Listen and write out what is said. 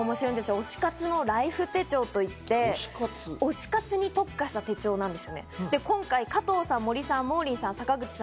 推し活のライフ手帳と言って推し活に特化した手帳なんです。